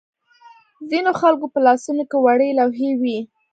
ځینو خلکو په لاسونو کې وړې لوحې وې.